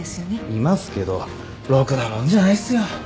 いますけどろくなもんじゃないっすよ。